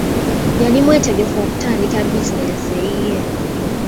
Yali mwetegefu okutandika bizinensi eyiye.